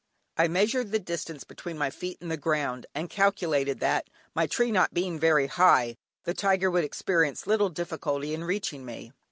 I measured the distance between my feet and the ground, and calculated that, my tree not being very high, the tiger would experience little difficulty in reaching me.